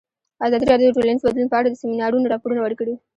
ازادي راډیو د ټولنیز بدلون په اړه د سیمینارونو راپورونه ورکړي.